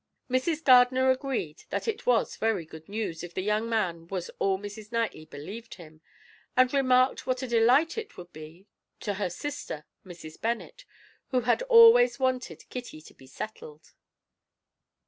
Mrs. Gardiner agreed that it was very good news if the young man was all Mrs. Knightley believed him, and remarked what a delight it would be to her sister, Mrs. Bennet, who had always wanted Kitty to be settled.